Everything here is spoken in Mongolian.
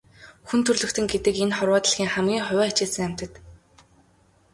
Хүн төрөлхтөн гэдэг энэ хорвоо дэлхийн хамгийн хувиа хичээсэн амьтад.